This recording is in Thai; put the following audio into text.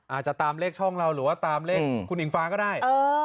อาจจะตามเลขช่องเราหรือว่าตามเลขคุณอิงฟ้าก็ได้